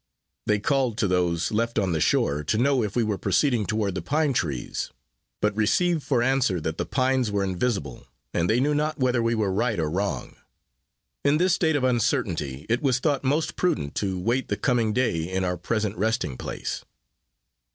They called to those left on the shore, to know if we were proceeding toward the pine trees; but received for answer that the pines were invisible, and they knew not whether we were right or wrong. In this state of uncertainty, it was thought most prudent to wait the coming of day, in our present resting place.